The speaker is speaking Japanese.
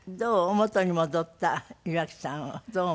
元に戻った岩城さんをどうお思いに？